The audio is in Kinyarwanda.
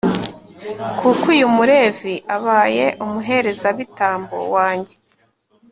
kuko uyu mulevi abaye umuherezabitambo wanjye